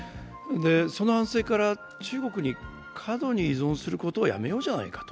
その反省から、中国に過度に依存することをやめようじゃないかと。